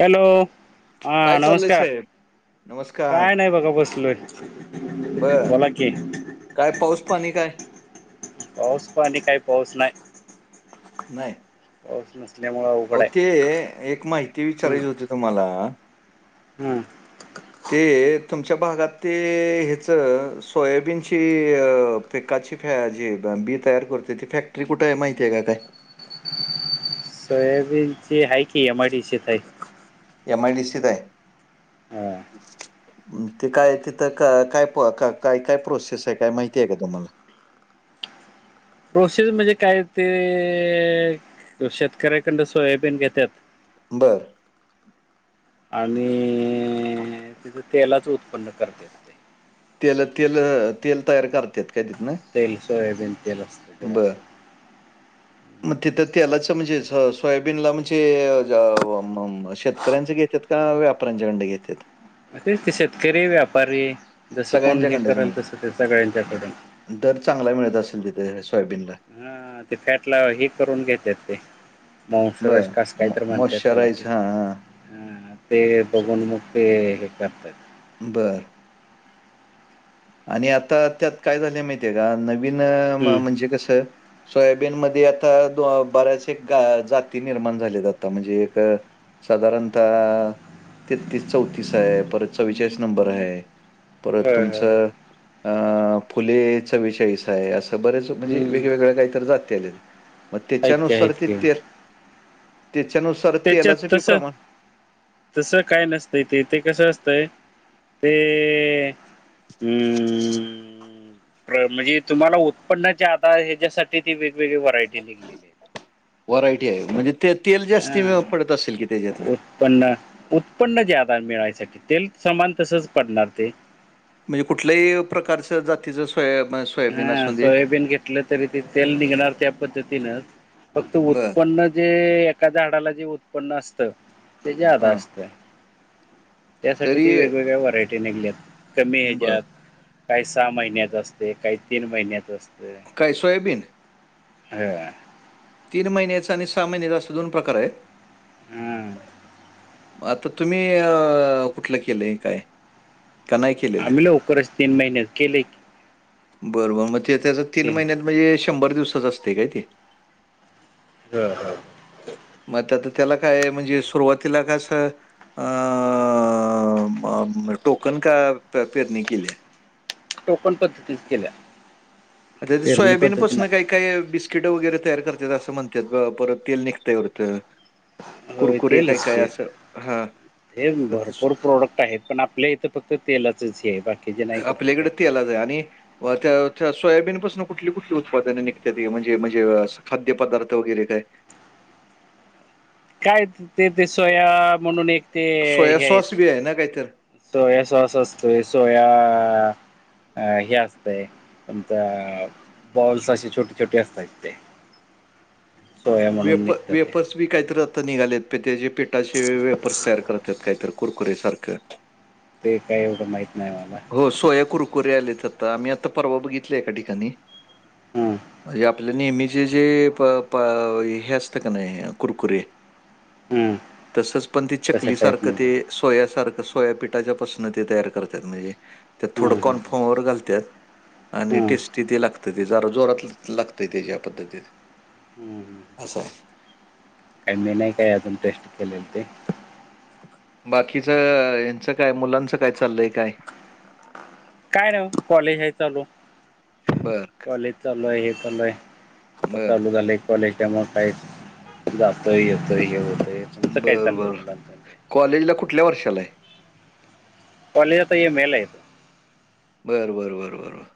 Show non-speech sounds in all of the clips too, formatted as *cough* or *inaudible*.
Hello, हा काय चाललंय नमस्कार. साहेब नमस्कार काय नाही बघा बसलोय. बर बोला की. काय पाऊस पाणी काय पाऊस पानी काय? पाऊस नाहीच. नाही. पाऊस नाही. आओ ते अ एक माहिती विचारायची होती तुम्हाला. हुं. *inaudible* ते अ तुमच्या भागात ते हेच सोयाबीनची अ पीकाची फॅ जे बी तयार करतोय ती फॅक्टरी कुठे आहे माहितीय काय? सोयाबीन ची हाय की, एम आय डी सी त हाय. एम आय डी सी त हाय. हा ते काय तिथं काय काय काय प्रोसेस हाय, काय माहिती आहे का तुम्हाला? प्रोसेस म्हणजे काय ते अ शेतकऱ्याकडन सोयाबीन घेत्यात बरं. आणि अ अ तिथ तेलाच उत्पन्न करत्यात. तेलअ, तेलअ, तेल तयार करत्यात काय तिथन? तेल, सोयाबीन तेल असत. बर. मग तिथं तेलाच म्हणजे अ सोयाबीनला म्हणजे अ अ म शेतकऱ्यांच घेत्यात का व्यापऱ्यांच्याकडन घेत्यात? तेच ते शेतकरी, व्यापारी जसं कोण हे सगळ्यांच्याकडनंच करेल, म्हणजे? तसं ते सगळ्यांच्याकडून दर चांगला मिळत असेल तिथे सोयाबीनला. हा ते फॅट ला हे करून घेत्यात ते. माऊंसराज बरं. का आस मॉ काहीतर म्हणतेत त्याला मॉइश्चराइज ते हां, हां. हुं. ते स बघुन म ते हे करतात. बरं. आणि आता त्यात काय झालय माहितीये का नवीन अस हं. म्हणजे कसं सोयाबीन मध्ये आता दो बऱ्याच एक जाती निर्माण झालेत आता म्हणजे एक अ साधारणतः तेतीस, चौतीस हाय, परत चव्वेचाळीस नंबर हाय. परत होय, होय, होय. तुमचं अ फुले चवेचाळीस हाय, असं बरेच म्हणजे हं. वेगवेगळ्या काहीतर जाती आल्यात, मग आहेत की, तेच्यानुसार आहेत ते की. तेल तेच्यानुसा तेच्यात तस तसं काय नसतंय ते, ते कसं असतंय? ते उम म्हणजे तुम्हाला उत्पन्न ज्यादा हेच्यासाठि ति ती वेगवेगळी व्हरायटी निघली. व्हरायटी आहे म्हणजे ते तेल जास्त पडत असेल की त्याच्यातन पण उत्पन्न जे आधार मिळायसाठी तेल सामान तसच पडणार ते म्हणजे कुठल्याही प्रकारच जातीचं स्वय हा सोयाबीन घेतलं तरी ते तेल निघणार त्या पद्धतीनंच फक्त बरं. उत्पन्न जे एका झाडाला जे उत्पन्न असतं ते जादा हां. असतं. त्यासाठी त तरी वेगवेगळ्या व्हरायटी निघल्यात कमी बरं. ह्याच्यात काही सहा महिन्यात असते काही तीन महिन्यात असते काय सोयाबीन? हो. तीन महिन्याचा आणि सहा महिन्याचा असा दोन प्रकार आहे? हम्म. आता तुम्ही अ कुठलं केलंय काय? का नाही आम्ही लवकरच तीन महिने केले. बरोबर मग ते त्याच तीन महिन्यात म्हणजे शंभर दिवसाच असते काय ते? ह हा. मग आता त्याला काय म्हणजे सुरुवातीला काय असं अ टोकन का पेरणी केली आहे टोकन पद्धती केल्या अते पेरणी सोयाबीन पद्धती पासना नाही काय काही बिस्किट वगैरे तयार करतात असं म्हणतात परत तेल निघततं. होय तेलच ते हा ते भरपूर प्रोडक्ट आहेत पण आपल्या इथं फ़क्त तेलाच हे बाकी आपल्याकडे तेलाच आहे आणि व त्या सोयाबीन पाासून कुठली कुठली उत्पादने निघतात म्हणजे म्हणजे खाद्य पदार्थ वगैरे काय? काय ते ते सोया म्हणून एक ते सोया हे आहेत सॉस बी आहे ना काहीतर? सोया सॉस असतोय सोया हे असतय आता बॉल्स अे छोटे छोटे असतात ते. सोया म्हणून वेपर्स, निघतं ते वेपर्स बी काहीतरी आता निघालेत प त्याे पेटाचे वेपर्स तयार करत आहेत काहीतरी कुरकुरे सारखं. ते काय एवढं माहित नाही मला. हो सोया कुरकुरे आलेत आता मी आता परवा बघितले एका ठिकाणी. हम्म. म्हणजे आपल्या नेहमीचे जे हे प प हे असतं का नाही कुरकुरे हम्म तसच पण ते तशा टाईप चकलीसारखं ते निघलं सोयासारखं सोयापीठाच्या पासन ते तयार करतात म्हणजे त्यात हम्म थोडं हम्म कॉन्फर्मवर घालतात आणि हम्म टेस्ट तिथे लागते ते जरा जोरात लागतय त्याच्या पद्धतीने, हम्म हम्म असं आहे. मी नाही काय अजून टेस्ट केलेल ते. बाकीच ह्यांच्य मुलांचं काय मुलांचं काय चाललंय काय? काय नाही कॉलेज हाय चालू. बर कॉलेज चालू आहे हे चालू आहे आता बर चालू झाले. कॉलेजच्या म काही जात येतोय हे होते बर बर कॉलेजला कुठल्या वर्षाला आहे? कॉलेज आता एम ए ला आहे. बरं बरं बरं बर बर.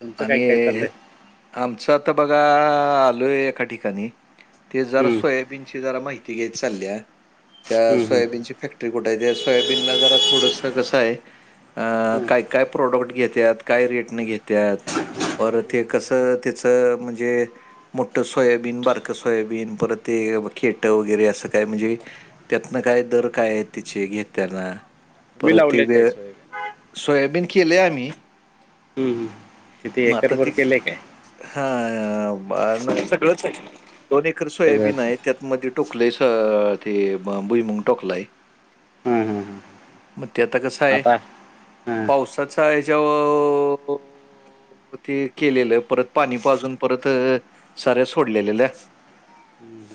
तुमचं काय आणि काय चाललंय आमचं आता बघा आलोय एका ठिकाणी ते जरा हम्म, सोयाबीनची जरा माहिती घ्याय चालल्या त्या हम्म, हम्म. सोयाबीनची. फॅक्टरी कुठे आहे त्या सोयाबीनला जरा थोडंस कसं आहे. अ हम्म. काय काय प्रोडक्ट घेत्या काय रेटने घेत. त्यात बर ते कसं त्याचं म्हणजे मोठं सोयाबीन बारकं सोयाबीन परत ते खेट वगैरे असं काय म्हणजे. त्यातनं काय दर काय आहे तिचे घेत्यांना तुम्ही परत ते लावले काय वेळ सोय सोयाबीन केले आम्ही. हम् हम. मग आता त हा नाही सगळंच आहे. दोन एकर सोयाबीन सगळंच आहे त्यातमध्ये टोकले ते बुईमंग टोकलाय. हम्म, हम्म, हम्म. मग ते आता कस आहे आता हं. पावसाचा याच्यावर हो. ते केलेलं परत पाणी पाजून परत साऱ्या सोडलेल्याल्या. हम्म.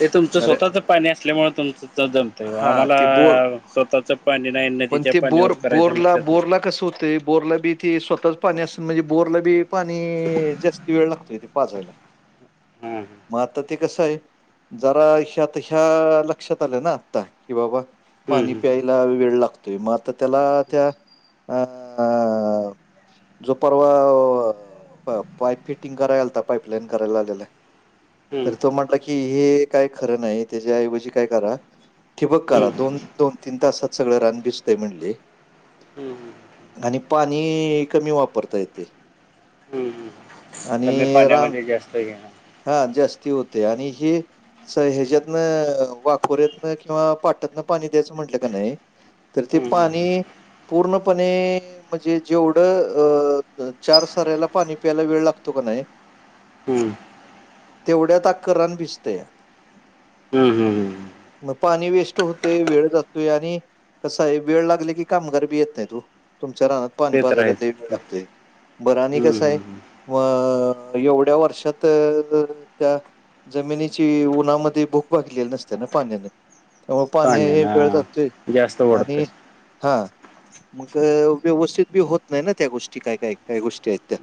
ते तुमचं स्वतःच पाणी असल्यामुळे तुमच जमत हो हां, आम्हाला ते बोर स्वतःच पाणी नाही. पण नदीच्या ते बोर पाण्यावर करायचं बोरला म्हटलं तर बोरला कसं होतंय बोरला बी. त स्वतःच पाणी असून म्हणजे बोरला बी पाणी जास्त वेळ लागतो इथे पाजयला हं, हं. मग आता ते कसं आहे. जरा ह्यात ह्या लक्षात आल्या ना आत्ता कि बाबा. पाणी हं, हं, प्यायला वेळ लागतोय मग आता त्याला त्या अं. जो परवा पाईप फिटिंग करायलाता पाईपलाईन करायला आलेला हं. तर तो म्हटला की हे काय खरं नाही त्याच्या आऐवजी काय करा. ठि बक करा हं, दोन दोन तीन तासात सगळ रान बिजतय म्हणली. हं, हं. आणि पाणी कमी वापरता येते. ह् तर मी पाण्यामध्ये जास्त घेणार. हा जास्ती होते आणि हे. स ह्याच्या्यातनं वाकोर्यातन किंवा पाटातनं पाणी द्यायचं म्हटलं का नाही. तर ते हं, हं, पाणी पूर्णपणे म्हणजे जेवढं अ चार साऱ्याला पाणी प्यायला वेळ लागतो का नाही. हम्म. तेवढ्यात अख्खा रान भिजतया हम् हम् हम. मग पाणी वेस्ट होतेय वेळ जातोय आणि कसं आहे वेळ लागले की कामगार बी येत नाही तू तुमच्या राहनात. पाणी ते तर आहेच पाजल्याला वेळ हं, लागतेय बरं आणि हं, कसं आहे हं. अ एवढ्या वर्षात तर त्या जमिनीची उन्हामध्ये भूक भागलेली नसते ना पाण्याने त्यामु पाणी हे पाण्याना वेळ जाततोय जास्त आणि ओढतय. हा. मग व्यवस्थित बी होत नाही ना त्या गोष्टी काय काय काही गोष्टी आहेत त्या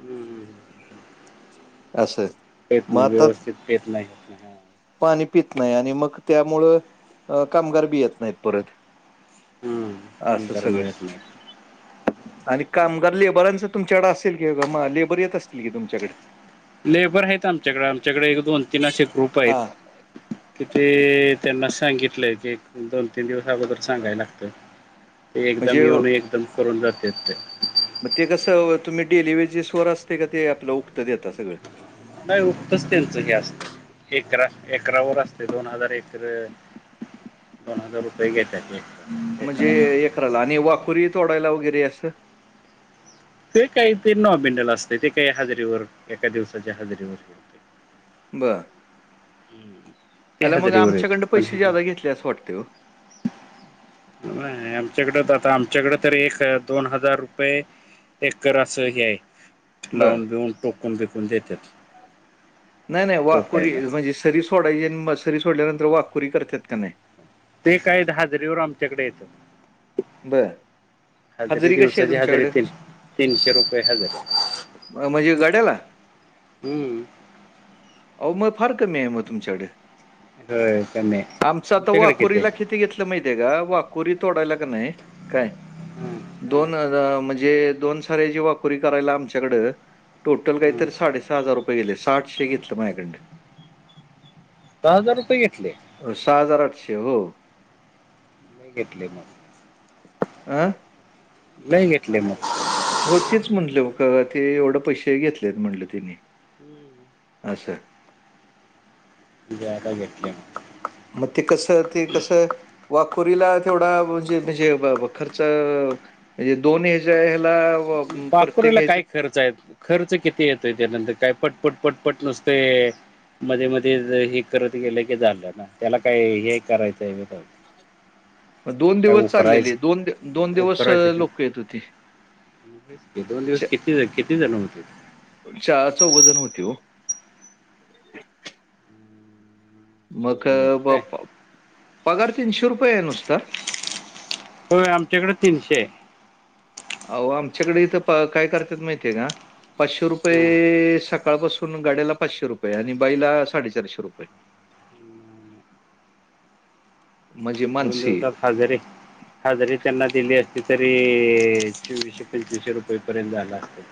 असं. पेत मग नाही आता व्यवस्थित पेत नाही होत. पाणी पित नाही आणि मग त्यामुळं कामगार बी येत नाहीत परत हम्म असं कामगार सगळं. मिळत नाही आणि कामगार लेबरांचं तुमच्याकडे असेल की ब मग लेबर येत असतील की तुमच्याकडे लेबर आहेत आमच्याकडे आमच्याकडे एक दोन तीन असे ग्रुप आहेत. हा कि ते त्यांना सांगितलंय की दोन तीन दिवस अगोदर सांगायला लागतं. *unintelligible* ते एकदम म्हणजे येऊन एकदम करून जाते ते मग ते कसं तुम्ही डेली वेजेस वर असते का ते आपलं उक्त देता सगळं? नाही उक्तच त्यांचं हे असतं. एकरा एकरा व असते दोन हजार एकर दोन हजार रुपये घेतात ते म्हणजे एकराला आणि वाकुरी तोडायला वगैरे असं? ते काहीतरी नॉमिनल असते ते काही हजेरीवर एका दिवसाच्या हजेरीवर बरं हम्म. ते अयला मग हजेरीवर येते आमच्याकडं पण हे पैसे जादा घेतले असं वाटतंय ओ. नाही आमच्याकडे आता आमच्याकडे तर एक दोन हजार रुपये एकर असं हे आहे बर लावून बिऊून टोकून बिकून देतात. नाही नाही वाघकुरी टोकायला म्हणजे सरी सोडायची सरी सोडल्यानंतर वाघखुरी करतात का नाही. ते काय हाजरीेवर आमच्याकडे येतात. बर हजरीे हजेरी कशी आहे दिवसाची तुमच्याकडे हजरीेतील तीनशे रुपये हजरी म्हणजे गड्याला हम्म आहो मग फार कमी आहे मग तुमच्याकडे होय कमी आहे आमचं आता तुमच्याकडे वाकुरीला आहे कि किती घेतलं माहितीय का वाकुरी तोडायला का नाही काय? हं, हं, दोन म्हणजे दोन सारेची वाकुरी करायला आमच्याकडं टोटल काहीत हं. साडे साडे सहा हजार रुपये गेले साठशे घेतलं माझ्याकडं न दहा हजार रुपये घेतले? सहा हजार आठशे ओ लय घेतले आं नाही घेतले मग हो तेच म्हटले हो का ते एवढं पैसे घेतलेत म्हटलं तिने हम्म. असं जादा घेतले मग मग ते कसं ते कसं वाखोरीला तेवढा म्हणजे म्हणजे खर्च म्हणजे दोन हयाच्या हेला वाखुरीला काय खर्च आहे? खर्च किती येतोय त्यानंतर काय पटपट पटपट नुसते मध्ये मध्ये हे करत गेलं की झालं ना त्याला काय हे करायचंय ब मग दोन दिवस चाललेले उकरायचं दोन दोन दिवस उकरायचं लोक येत होते. दोन दिवस किती किती जण होते? चार चौघजण होती हो मग चौघ जण काय पगार तीनशे रुपये आहे नुसता? होय आमच्याकडे तीनशे आहे. अ आमच्याकडे इथं काय करतात माहितीय का पाचशे हं रुपये साग सकाळपासून गाड्याला पाचशे रुपये आणि बाईला साडेचारशे रुपये. म्हणजे दोन मानसी दिवसात हजेरी हा जरी त्यांना दिली असती तरी चोवीशे पंचवीसशे रुपये पर्यंत झाला असतं.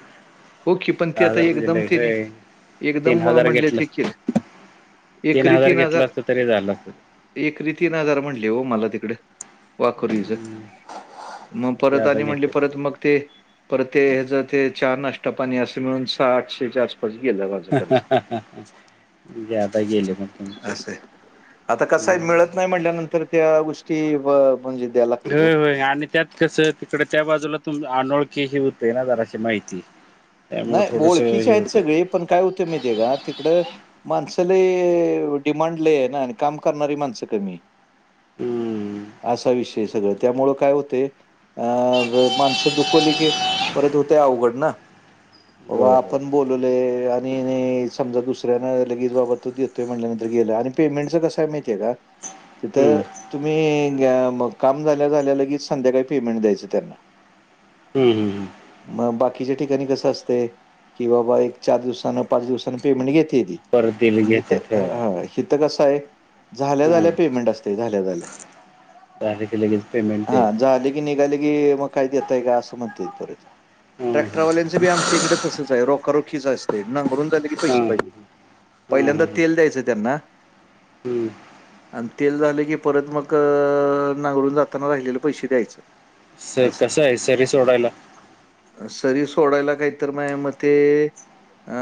हो की पण ती सहा आता हजार म्हणजे एकदम लई तिने हो तीन एकदम अ, हजार म्हणले घेतलं ते की असं. तीन हजार घेतला असतं तरी झालं असतं. एकरी तीन हाजार म्हणले हो मला तिकड वाकुरीचं हम्म मग परत ज्यादा आणि म्हणले घेतात परत मग ते परत ते ह्याच ते चहा नाश नाष्टा पाणी असे मिळून सहा आठशेच्या आसपास गेला माझा खर्च ज्यादा गेले मग तुमचे असं आता कस आहे हम्म मिळत. नाही म्हणल्यानंतर त्या गोष्टीवर होय होय आणि त्यात कसं तिकडं त्या बाजूला तुम अनोळखी ह होते ना जराशी माहिती नाही त्यामुळे थोडस ओळखीचे हे आहेत होते सगळे पण काय होते माहिती ये का तिकडं माणसाला डिमांड ल आहे ना आणि काम करणारी माणसं कमी हम्म असा विषय सगळं त्यामुळं काय होतेय. अ माणसं दुखवली की परत होते अवघड ना बाबा होय होय आपण बोलवले आणि समजा दुसऱ्याने लगेच बाबा तो देत. ते म्हटल्यानंतर गेलं आणि पेमेंटच कसंय माहितीय का तिथं हम्म तुम्ही मग काम झाल्या झाल्या लगेच संध्याकाळी पेमेंट द्यायचं त्यांना हम् हम् ह मग बाकीच्या ठिकाणी कसं असते की बाबा एक चार दिवसान पाच दिवसान पेमेंट घेते ती परत दिले घेतेत इथं होय ह इथं कसं आहे झाल्या हम्म झाल्या पेमेंट असत झाल्या झाल्या. झाल्या की लगेच पेमेंट द्यायचं. निघाल्या की मग काय देतात का असं म्हणतात परत हम्म ट्रॅक्टरवालाच तसं बी आमच्या इकडे तसंच आहे रोख रोखीच असते नांगरून झाले की पैसे हम्म पाहिजे. हम्म पहिल्यांदा तेल द्यायचं त्यांना हम्म आणि तेल झाले की परत मग नांगळून जाताना राहिलेले पैसे द्यायचं. स असं. कसं आहे सरी सोडायला सरी सोडायला काही तर माझ्या मते अ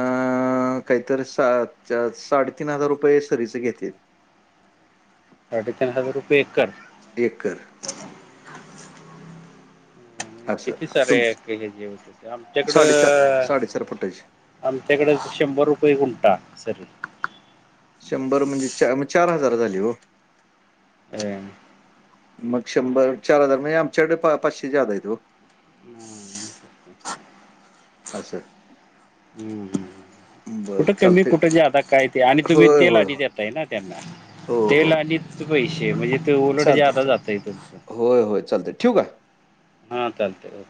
काहीतरी सातच्या साडेतीन हजार रुपये सरीच घेतील. साडे तीन हजार रुपये एकर एकर असं. किती तुम सारया एका हे जे होते ते साडेचार, आमच्याकडं फुटाची. आमच्याकडे शंभर रुपये गुणटा सरी शंभर म्हणजे चा चार हजार झाली हो ह मग शंभर चार हजार म्हणजे आमच्याकडे पा पाचशे जादा आहे ओ हम्म असंच. असं बरं कुठं कमी चालतंय. कुठे जादा काय ते आणि तुम्ही होय, तेल होय, आणि होय. देताय ना त्यांना हो, तेल हो. आणि पैसे म्हणजे ते उलट चालतंय, जादा चालतंय. जातय तुमचं होय, होय. चालतंय. ठेवू का? हा चालतंय ओ